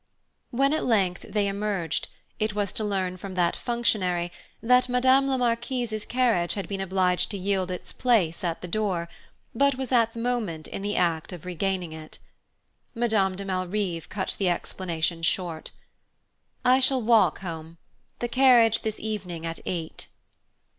When at length they emerged, it was to learn from that functionary that Madame la Marquise's carriage had been obliged to yield its place at the door, but was at the moment in the act of regaining it. Madame de Malrive cut the explanation short. "I shall walk home. The carriage this evening at eight."